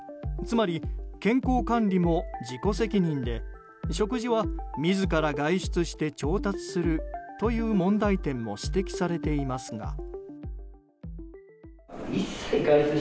つまり、健康管理も自己責任で食事は自ら外出して調達するという問題点も指摘されていますが。